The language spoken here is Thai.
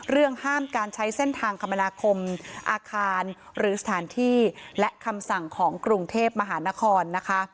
ห้ามการใช้เส้นทางคมนาคมอาคารหรือสถานที่และคำสั่งของกรุงเทพมหานครนะคะ